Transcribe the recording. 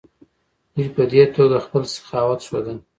دوی په دې توګه خپل سخاوت ښوده.